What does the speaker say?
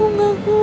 mama aku gak kuat